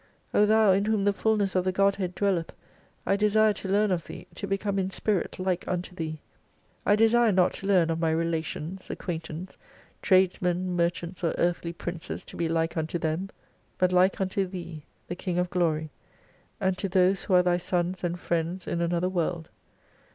O Thou in whom the fulness of the Godhead dwelleth, I desire to learn of Thee, to be come in spirit like unto Thee. I desire not to learn of my relations, acquaintance, tradesmen, merchants or earthly princes to be like unto them ; but like unto Thee, the King of Glory, and to those who are Thy sons and friends in another World.